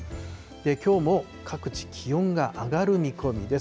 きょうも各地、気温が上がる見込みです。